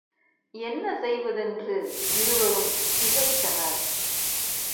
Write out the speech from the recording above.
என்ன செய்வதென்று இருவரும் திகைத்தனர்.